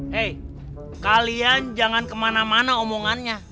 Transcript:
hei kalian jangan kemana mana omongannya